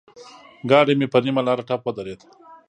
ګاډی مې پر نيمه لاره ټپ ودرېد.